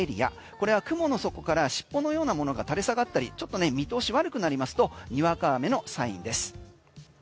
これは雲の底から尻尾のようなものが垂れ下がったり見通しが悪くなりますとにわか雨のサインです。